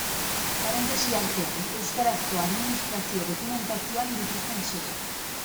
Parentesi artean, euskarazko administrazio dokumentazioan dituzten siglak.